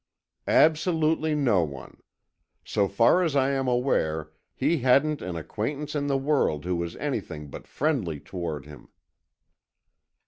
"Absolutely no one. So far as I am aware, he hadn't an acquaintance in the world who was anything but friendly toward him."